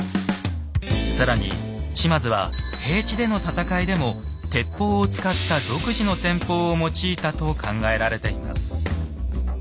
更に島津は平地での戦いでも鉄砲を使った独自の戦法を用いたと考えられています。